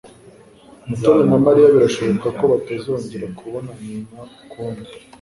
Mutoni na Mariya birashoboka ko batazongera kubonana ukundi.